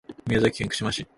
宮崎県串間市